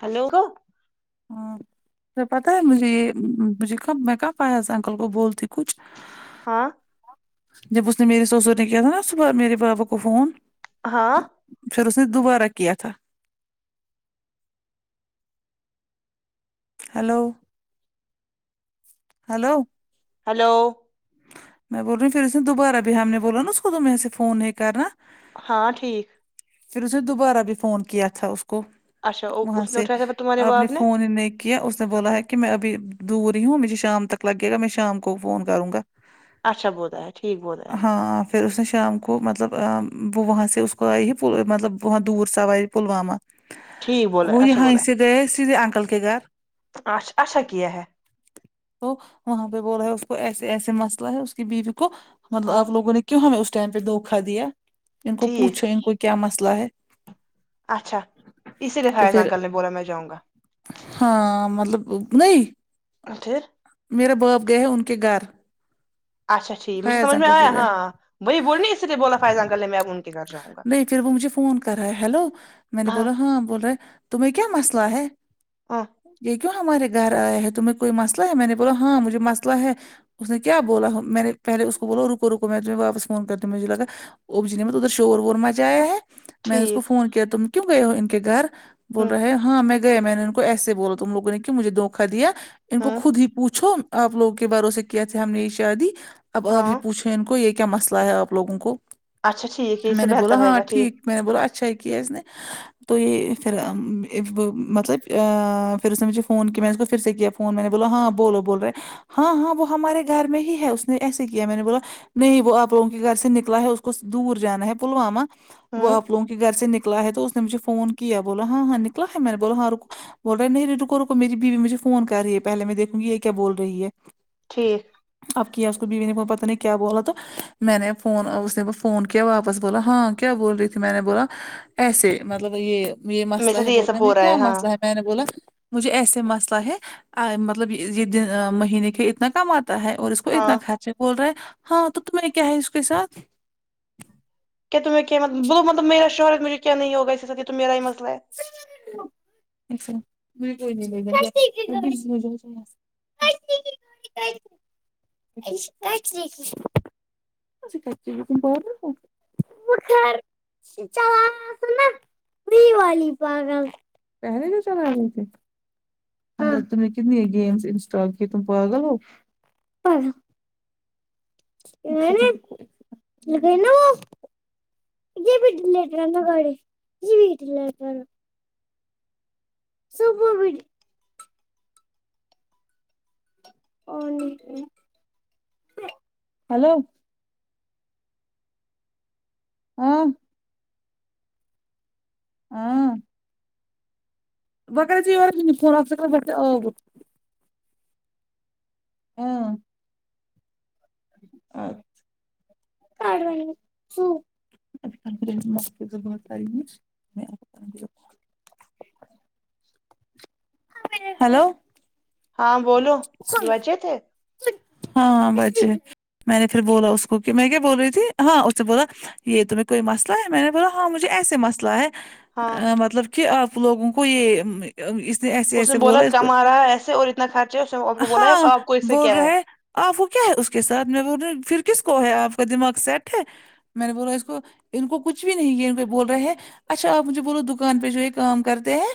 hello ہاں پتاہ ہے مجھے یہ مجھے کب میں کب ایاز انکل کو بولتی کچھ ہاں جب اس نے میری سسر نے کیا تھا نا صبح میرے بابا کو فون ہاں پھر اس نے دوبارہ کیا تھا ہلو ہلو ہلو میں بول رہی ہوں پھر اس نے دوبارہ بھی ہم نے بولا نا اس کو تو میں سے فون نہیں کرنا ہاں ٹھیک پھر اس نے دوبارہ بھی فون کیا تھا اس کو اچھا وہاں اس نے سے اٹھایا تھا تمہارے آپ نے باپ فون کیا اس نے بولا ہے کہ میں ابھی دور ہی ہوں مجھے شام تک لگے گا میں شام کو فون کروں گا اچھا بوتتا ہے ٹھیک بولتا ہے ہاں پھر اس نے شام کو مطلب وہاں سے ا اس کو آئی ہی پ مطلب وہاں دور سواری پلوامہ ٹھیک بولا ہے وہ اچھا یہاں سے گئے سیدے انکل کے گھر اچ اچھا کیا ہے تو وہاں پہ بول رہے ہے اس کو ایسے ایسے مسئلہ ہے اس کی بیوی کو مطلب ہاں آپ لوگوں نے کیوں ہمیں اس ٹائم پہ دھوکا دیا ان کو ٹھیک پوچھو ان کو کیا مسئلہ ہے اچھا اسی لکھا تو ا پھر انکل نے بولا میں جاؤں گا ہاں مطلب نہیں پھر میرے باپ گئے ہیں ان کے گھر اچھا ٹھیک مجھے فیاض سمجھ میں انکل آیا کے گھر ہاں وہی بول نہیں اس لیے بولا فائزہ انکل نے میں آ کو نہیں پھر وہ مجھے فون کر رہا ہے ہلو میں نے بولا ہاں بول رہے تمہیں کیا مسئلہ ہے ہاں یہ کیوں ہمارے گھر آئے ہے تمہیں کوئی مسئلہ ہے میں نے بولا ہاں مجھے مسئلہ ہے اس نے کیا بولا میں نے پہلے اس کو بو رکو رکو میں تمہیں واپس فون کر مجھے لگ اب جی نے ادھر شور وور مچایا ہے میں نے اس کو ٹھیک فون کیا تم کیوں گئے ہو ان کے گھر بول ہوں رہے ہو ہاں میں گیا میں نے ان کو ایسے بولا تم لوگوں نے کہ مجھے دھوکا دیا ان کو ہوں خود ہی پوچھو آپ لوگوں کے بھروسے کی تھے ہم نے یہ شادی اب آپ ہی ہاں پوچھے ان کو یہ کیا مسئلہ ہے آپ لوگوں کو اچھا ٹھیک ہے اس میں سے نے بولا بہتر رہے ہاں گا ٹھیک میں نے بولا اچھا کیا اس نے تو یہ پھر مطلب پھر اس نے مجھے فون کیا میں اس کو پھر سے کیا فون میں نے بولا ہاں بولو بولے ہاں ہاں وہ ہمارے گھر میں ہی ہے اس نے ایسے کیا میں نے بولا نہیں وہ آپ لوگوں کے گھر سے نکلا ہے اس کو دور جانا ہے پلوامہ وہ ہوں آپ لو گوں کے گھر سے نکلا ہے تو اس نے مجھے فون کیا بولا ہاں ہاں نکلا ہے میں نے بولا ہاں رک بول رہے نہیں رکو رکو میری بیو ی مجھے فون کر رہی ہے پہلے میں دیکھوں گی یہ کیا بول رہی ہے ٹھیک اب کیا اس کو بیوی نے پتہ نہیں کیا بولا تو میں نے فون اب اس نے فون کیا واپس بولا ہاں کیا بول رہی تھی میں نے بولا ایسے مطلب یہ یہ میرے مسئلہ ساتھ ہے یہ بول سب رہ ہو رہا کیا ہاں مسئلہ ہے میں نے بولا مجھے ایسے مسئلہ ہے مطلب یہ دن مہینے کے اتنا کماتا ہے اور اس کو اس کو اتنا ہاں خرچے بول رہے ہے ہاں تو تم کیا ہے اس کے ساتھ کیا تم میں کیا بولو مطلب میرا شوہر ہے مجھے کیا نہیں ہوگا اس کے سات یہ تو میرا ہی مسلہ ہے س [unintelligible] [unintelligible] یک [unintelligible] کچے ت بہت ہو [unintelligible] چ پری والی پاگل پہلے نہ چلا ر [unintelligible] تم نے کتنی گم انسٹال کی تم پاگل ہو امم نے نے لگینا وہ جی بھیٹ لٹرا ن گاڑی جی بھی لٹ [unintelligible] صبو بھی آلی ہلو امم ہاں و کراے فون اکا آق [unintelligible] ہاں اچھا م ز ب تاری [unintelligible] ہیلو ہاں بولو کی بچت ہے ہاں بچے میں نے پھر بولا اس کو کہ میں کیا بول رہی تھی ہاں اس سے بولا یہ تمہیں کوئی مسئلہ ہے میں نے بولا ہاں مجھے ایسے مسئلہ ہے ہاں ا مطلب کہ آپ لوگوں کو یہ اس نے ایسے ایسے بولا اس کو کم آ رہا ہے ایسے اور اتنا خرچ ہے اس نے آپ کو بولا ہے ہاں آپ کو اس سے بول کیا ہے رہے آپ وہ کیا ہے اس کے ساتھ میں پھر کس کو ہے آپ کا دماغ سیٹ ہے میں نے بول رہا اس کو ان کو کچھ بھی نہیں یہ بول رہے ہیں اچھا آپ مجھے بولو دکان پہ جو یہ کام کرتے ہیں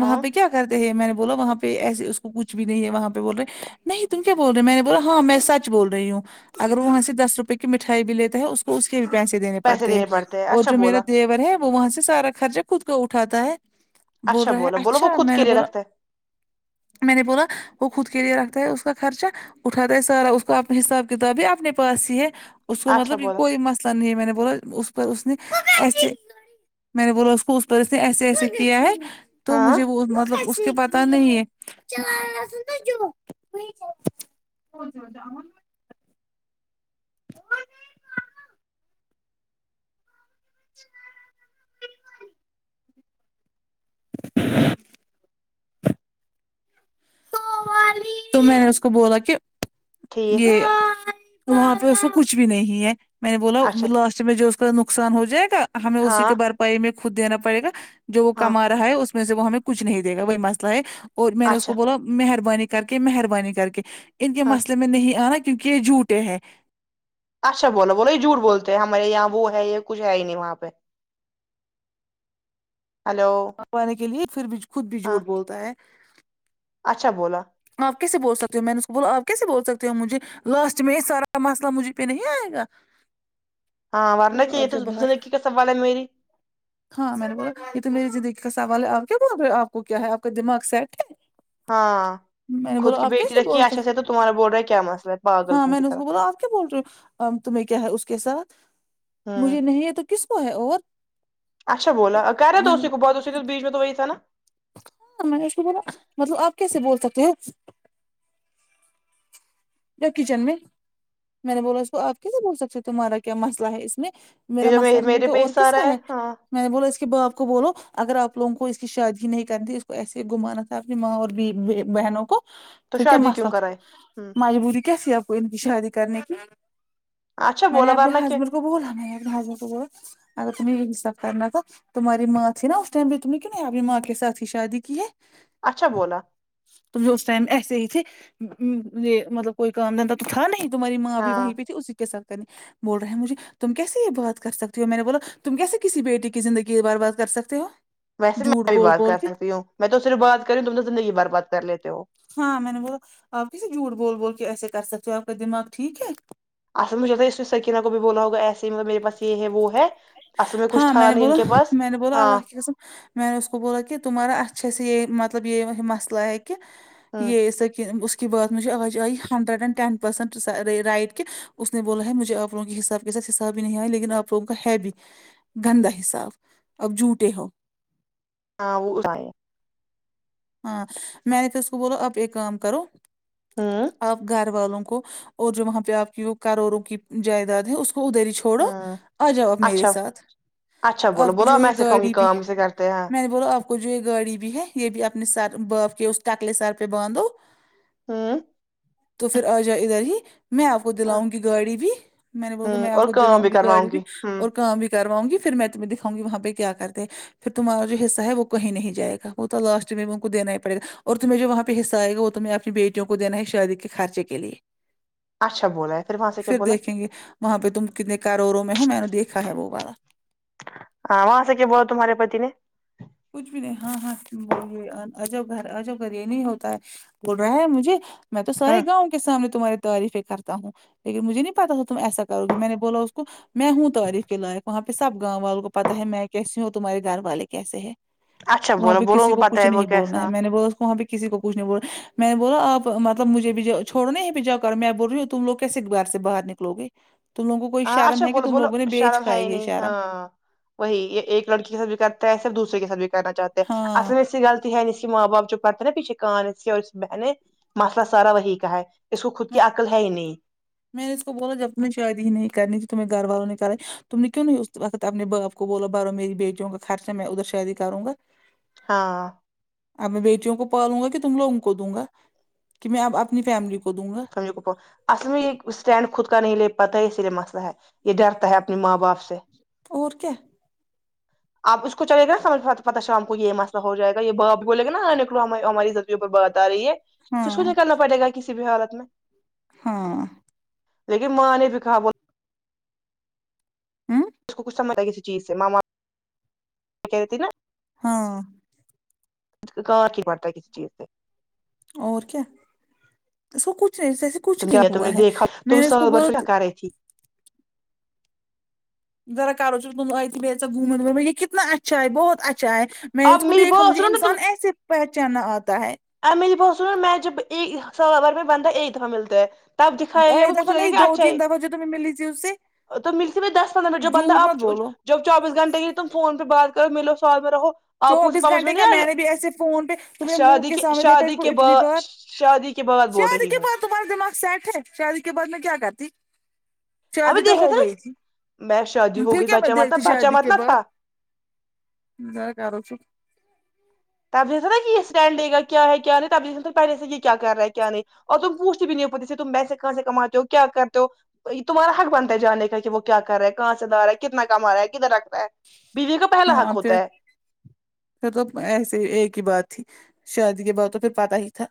وہاں ہاں پہ کیا کرتے ہیں میں نے بولا وہاں پہ ایسے اس کو کچھ بھی نہیں ہے وہاں پہ بول رہے نہیں تم کیا بول رہے میں نے بولا ہاں میں سچ بول رہی ہوں اگر وہ وہاں سے دس روپئے کی مٹھائی بھی لیتے ہے اس کو تو اس کے بھی پیسے دینے پڑتے ہیں اور جو میرا دیور ہے وہ وہاں سے سارا خرچہ خود کو اٹھاتا ہے بول اچھا رہے بولا بولو وہ اچھا خود میں کے نے لیے بولا رکھتا میں نے بولا وہ خود کے لیے رکھتا ہے اس کا خرچہ اٹھاتا ہے سارا اس کا اپنے حساب کتاب ہی اپنے پاس ہی ہے اس کو ہے اچھا مطلب بولا کوئی مسئلہ نہیں ہے میں نے بولا اس پر اس نے ایسے میں نے بولا اس کو اس پرس نے ایسے ایسے کیا ہے تو ہاں مجھے وہ مطلب اس کے پتہ نہیں ہے کوئی ضرورت نہی [unintelligible] اچھا تو میں نے اس کو بولا کہ ٹھیک یہ وہاں پہ اس کو کچھ بھی نہیں ہے میں نے بولا اچھا لاسٹ میں جو اس کا نقصان ہو جائے گا ہمیں اسی کے ہاں بھرپائی میں خود دینا پڑے گا جو وہ ہاں کما رہا ہے اس وسے وہ ہمیں کچھ نہیں دےا وہی مسئلہ ہے اور میں نے اس اچھا کو بولا مہرب انی کر کے مہربانی کر کے ان کے ہاں مسئلے میں نہیں آنا کیونکہ یہ جھوٹے ہیں اچھا بو بولا یہ جھوٹ بولتے ہیں ہمارے یہاں وہ ہے یہ کچھ ہے ہی نہیں وہاں پہ ہلو پانے کے لیے پھر بھی خود بھی ہاں جھوٹ بولتا ہے اچھا بولا آ پ کیسے بول سکتے ہو میں نے اس کو بولا آپ کیسے بول سکتے ہو مجھے لاسٹ میں یہ سارا مسئلہ مجھے پہ نہیں آئے گا ہاں ورنہ کی اٹھو یہ آپ تو جب باہر زندگی کا سوال ہے میری ہاں میں نے بولا یہ تو میری زندگی کا سوال ہے آپ کیا بول رہے ہو آپ کو کیا ہے آپ کا دماغ سیٹ ہے ہاں خود کی بیٹی کیسے رکھی بول ایچھے سک سے تو تمہارا بول رہا ہے کیا مسئلہ ہے پاگل لوگوں کی طرح اور تمہیں کیا ہے اس کے ساتھ ہوں مجھے نہیں ہے تو کس کو ہے اور اچھا بولا آ کرنے دو میں اسی کو بات اسی کو بیچ میں تو وہی تھا نا ہاں میں نے اس کو بولا مطلب آپ کیسے بول سکتے ہو جا کچن میں میں نے بولا اس کو آپ کیسے بول سکتے ہیں تمہارا کیا مسلہ ہے اس میں میرا یہ جو مسئلہ نہیں میرے تو پہ اور حصہ کس آ کا رہا ہے ہاں میں نے بولا اس کے باپ کو بولو اگر آپ لوگوں کو اس کی شادی نہیں کرتی اس کو ایسے گھومانا تھا اپنی ماں اور بی بہنوں کو تو پھر کیا شادی کیوں مسئلہ تھا کرائے ہوں میں بولی کیا تھی آپ کو ان کی شادی کرنے کی اچھا میں نے بولا اپنے ورنہ کہ ہسبینڈ کو بولا میں نے آ ہبینڈ کو بولا اگر تمہیں انصاف کرنا تھا تمہاری ماں تھی نا اس ٹائم بھی تم نہیں کیوں اپنی ماں کے ساتھ ہی شادی کی ہے اچھا بولا تو وہ اس ٹائم ایسے ہی تھے ا ی یہ مطلب کوئی کام دھندا تو تھا نہیں تمہاری ماں بھی ہاں وہیں پہ تھی اسی کےساتھ کرنی بول رہے ہیں مجھے تم کیسے یہ بات کر سکتی ہو میں نے بولا تم کیسے کسی بیٹی کی زندگی برباد کر سکتے ہو ویسے جھوٹ میں بھی بول بات بول کر کے ستی ہوں میں تو صرف بات کری ہوں تم زندگی برباد کر لیتے ہو ہاں میں نے بولا آپ کسے جھوٹ بول بول کے ایسے کر سکتے ہو آپ کا دماغ ٹھیک ہے اصل مجھے لگتا ہے اس نے سکینہ کو بھی بولا ہوگا ایسے ہی مطلب میرے پاس یہ ہے وہ ہے اصل میں کچھ ہاں تھا نے نہیں ان بولا کے پاس میں نے بولا ہاں اللہ کی قسم میں نے اس کو بولا کہ تمہارا اچھےسے یہ مطلب یہ مسئلہ ہے کہ ہوں یہ سکی اب اس بات مجھے آج آئی hundred and ten percent right کے اس نے بولا ہے مجھے آپ لوگوں کے حساب کے ساتھ حساب ہی نہیں آئے لیکن آپ لوگوں کا ہی بھی گندا حساب آپ جھوٹے ہو ہاں وہ ہاں میں نے تو اس کو بولا آپ ایک کام کرو ہوں آپ گھر والوں کو اور جو وہاں پہ آپ کی کروڑوں کی جائیداد ہے اس کو ادھر ہی چھو ڑو ہوں آ جاؤ آپ میرے اچھا ساتھ اچھا بولو آپ کی بولو جو ہے میں سکھاؤں گی گاڑی بھی کام کیسے کرتے ہیں میں نے بولا آپ آپ کو جو یہ گاڑی بھی ہے یہ بھی اپنے سر باپ کے اس ٹکلے سر پہ باندھو ہوں تو پھر آ جائے ادھر ہی میں آپ کو ہوں دلاؤں گی گاڑی بھی میں نے بول میں آپ اور کو کام دلاؤں گی گاڑی کرواؤں بھی ہوں اور کام بھی کراؤںگی پھر میں تمہیں دکھاؤ گی وہاں پہ کیا کرتے پھر تمہارا جو حصہ ہے وہ کہیں نہیں جائے گا وہ تو لاسٹ کو دینا ہی پڑھے گا اور تمہیں جو وہاں حصہ ائے گا وہ تمہیں اپنی بیٹیوں کو دینا ہے شادی کے خرچے کے اچھا بولا ہے وہاں سے کیا پھر بولا دیکھیں گے وہاں پہ تم کتنے کاروڑوں میں ہو میں نے دیکھا ہے وہ والا ہاں وہاں سے کیا بولا تمہارے پتی نے کچھ بھی نہیں ہاں ہاں وہ یہ آجاؤ گھر آجاؤ گھر یہ نہیں ہوتا ہے بول رہا ہے مجھے میں تو سارے ہوں گاؤں کے سامنے تمہاری تعریفیں کرتا ہوں لیکن مجھے نہیں پتا تھا تم ایسا کرو گی میں نے بولا اس کو میں ہوں تعاریف کے لائق وہاں پہ سب گاؤں والوں کو پتا ہے میں کیسی ہوں اور تمہارے گھر والے کیسے ہے اچھا وہاں بولو پہ بولو ان کسی کو پتہ کچھ ہے وہ نہیں بولنا ہے کیسا میں نے بولا وہاں پہ کسی کو کچھ نہیں بول رہے میں نے بولا آپ مطلب مجھے بھی چھوڑ نہیں ہیں اب جا کر میں بول رہی ہوں تم لوگ کیسے دیوار سے باہر نکلو گے تم لوگوں کوئی ہاں شرم اچھا ہے کہ بولو تم بولو لوگوں نے بیچ شرم ہے کھائے ہی یہ نہیں شرم ہاں وہی یہ ایک لڑکی کے ساتھ بھی کرتا ہے صرف دوسرے کے ساتھ بھی کرنا چاہتے ہیں اصل میں ہاں یال ہے اس کی ماں باپ جو پڑتے نا پیچھے کان ہے اس کیا اس بہن ہے مسئلہ سارا وہی کہا ہے اس کو خود کی عقل ہے ہی نہیں میں نے اس کو بولا جب تمہیں شادی ہی نہیں کرنی تھی تمہیں گھر والوں کرائی تم نے کیوں نہیں اس وقت اپنے باپ کو بولو بارو میری بٹیوں کا خرچ ہے میں ادھر شادی کروں گا ہاں اب میں بیٹیوں کو پالوں گا کہ تم لوگوں کو دوں گا کہ میں اب اپنی فیملی کو دوں گا اصل میں یہ اسٹینڈ خود کا نہیں لے پاتا ہے اسی لیے مسئلہ ہے یہ ڈرتا ہے اپنی ماں باپ سے اور کیا آپ اس کو چل گے نامجھ پتا شام کو یہ مسئلہ ہو جائگا یہ بولوگے نا ہاں نکلو ہم ہماری و بات آ رہی ہے ہاں تو سوجے کرنا پڑے گا کسی بھی حالت میں ہاں لیکن ماں نے کھا بول ہمم کو کچھ سمجھ ہے کسی چیز سے ماما کہ رہی تھی نا ہاں گار کی پڑتا کسی چیز سے اور کیا اس کو کچھ نہیں ایسے کچھ تم کیا نہیں تم نے ہوا ہے دیکھا میں تم نے اس کو سال بھر پھر بہت ہکا رہی تھی [unintelligible] تم گھومت و یہ کتنا اچھا ہے بہت اچھا ا ہے میں نے اب اس کو میری دیکھا بات مجھے سنو انسان ایسے پہچانا آتا ہے اپ میری بات سنو میں جب ایک سوار میں بند ایک دفع ملتا ہے تب دکھایا گیا ایک وہ دفع مجھے لگے نہیں گا دو اچھا تین ہے دفع جو تمہیں ملی تھی اس سے تو ملتی دس پندرہ منٹ جب بندہ جھوٹ آپ مت بولو جب چوبیس گھنٹے ہی تم فون پہ بات کرو ملو ساتھ میں رہو آپ کو چوبیس سمجھ گھنٹے کا نہیں آئے گا میں نے بھی ایسے فون پہ تمہیںے منہ شادی کے ساتھ دیکھا اس شادی کو کے اتنی بعد بار شادی کے بعد بول شاید رہی کے ہوں بعد تمہارا دماغ سیٹ ہے شادی کے بعد میں کیا کرتی ابھی شادی تو دیکھا ہو تھا نا گئی تھی میں شادی ہو پھر گئی کیا میں بچہ مت دیکھتی بچہ شادی مت کے نہ بعد تھا اے کرو چپ تب کہ یہ اسٹینڈے لےگا کیا ہے کیا نہیں تب پہ س سے یہ کیا کر رہ ہے کیا نہیں اور تم پوچھتی بھی نہیں ہو پوتے سے تم پیسے کہاں سے کماتے ہو کیا کرتے ہو تمہارا حق بنتا ہے جاننے کا کہ وہ کیا کررہا ہے کہاں سے لا رہا ہے کتنا کما رہا ہے کدھر رکھتا ہے بیوی کا پہلا یہاں حق اتے ہوتا ہے پھر تو ایسے ہی ایک ہی بات تھی شادی کے بعد تو پھر پتا ہی تھا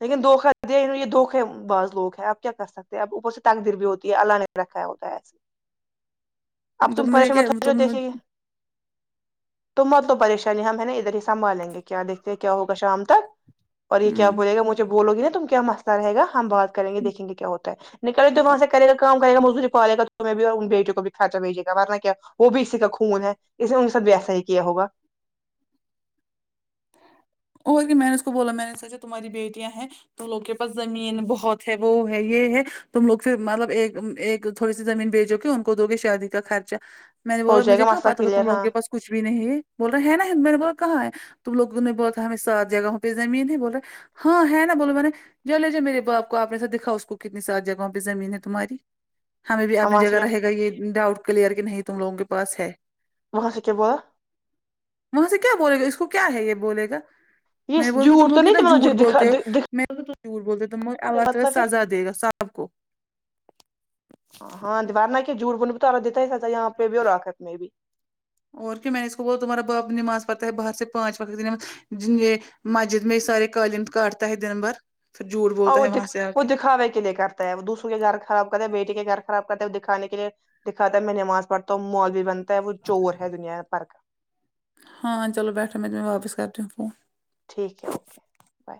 لیکن دھوکا دییے یہ دھوکے باز لوگ ہے اب کیا کر سکتے اب اوپر سے تقدیر بھی ہوتی ہے اللہ نے رکھا ہوتا ہے ایسے تم مجھے پریشان کیا مت ہو جو تم دیکھیں گے تو مت لو پریشانی ہم ہے نا ادھر ہی سنبھالیں گے کیا دیکھتے ہیں کیا ہوگا شام تک اور یہ کیا بولے گا مجھے بولوگی نا تم کیا مسلہ رہے گا ہم بات کرین گے دیکھیں گے کیا ہوتا ہے نکلے تو وہاں سے کرے گا کام کر گا مزدوری پالے گا تو میں بھی اور ان بیٹیوں کو بھی خرچہ بھیجیگا ورنہ کیا وہ بھی اسی کا خون ہے اس نے ان کے ساتھ بھی ایسا ہی کیا ہوگا اور کہ میں نے اس کو بولا میں نے سوچا تمہاری بیٹیاں ہیں تو ان لوگ کے پاس زمین بہت ہے وہ ہے یہ ہے تم لوگ پھر مطلب ایک ایک تھوڑی سی زمین بیچو گے ان کو دو گے شادی کا خرچہ میں نے ہو بولا جائے مجھے گا کہاں مسئلہ پتہ تھا تم کلیئر لوگوں ہاں کے پاس کچ بھی نہیں بول رہے ہے نا میں نے بول کہاں ہے تم لوگوں نے بہت ہمیں سات جگہوں پہ زمین ہے بول رہے ہاں ہے نا بولا میں نے جا لے جا میرے باپ کو آپ نے دکھا اس کو کتنی ساری جگہوں پہ زمین ہے تمہاری ہمیں بھی اپنی وہاں سے جگہ کیا رہے گا یہ ڈاؤٹ کلیئر کہ نہیں تم لوگوں کے پاس ہے وہاں سے کیا بولا وہاں سے کیا بولے گا اس کو کیا ہے یہ بولے گا میں نے یہ بولا کے تم جھوٹ لوگ تو کتنا جھوٹ نہیں دکھا بولتے ہو میں نے بولے تو جھوٹ بولتے ہو تم کو اللہ تعالی تمہیں مطلب پھر سزا دے گا سب اپ کو ہاں دیوار نا کہ جھوٹ بول نے بھی تو دیتا ہے سزا یہاں پہ بھی اور آخرت میں بھی اور کیوں میں نے اس کو بولا تمہارا با نماز پڑتا ہے باہر سے پانچ وقت نماز دن میں مسجد میں سارے قالن کاٹتا ہے دن بھر پھر جھوٹ اور بولتا وہ ہے وہاں دیکھ سے آ وہ کے دکھاوے کے لیے کرتا ہے وہ دوسروں کے گھر خراب کرتا ہے بیٹے کے گھر خراب کرتا ہے وہ دکھانے کے لیے دکھاتا ہے میں نماز پڑھتا ہوں مولوی بنتا ہے وہ چور ہے دنیا پرک ہاں چلو بیٹھو میں تمہیں واپس کرتی ہوں فون ٹھیک ہے اوکے بائے